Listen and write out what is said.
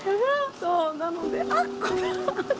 そうなの。